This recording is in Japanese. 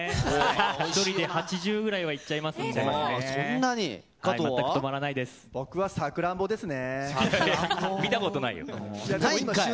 １人で８０ぐらいはいっちゃいますね。